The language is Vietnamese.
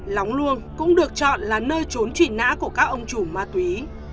lóng luông cũng được chọn là nơi trốn trị nã của các ông chùm ma túy